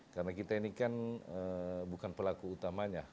karena kita ini kan bukan pelaku utamanya